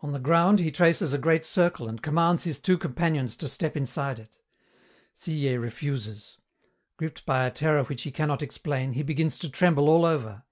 On the ground he traces a great circle and commands his two companions to step inside it. Sillé refuses. Gripped by a terror which he cannot explain, he begins to tremble all over.